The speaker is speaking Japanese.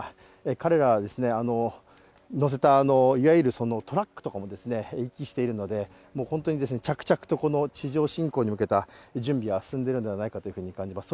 彼らを乗せたトラックとかも行き来しているので、本当に着々と地上侵攻に向けた準備は進んでいるのではないかと感じます。